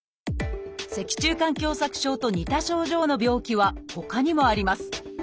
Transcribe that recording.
脊柱管狭窄症と似た症状の病気はほかにもあります。